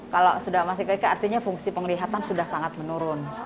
kalau sudah masih kecil artinya fungsi penglihatan sudah sangat menurun